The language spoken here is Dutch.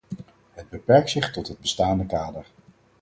Het beperkt zich tot het bestaande kader.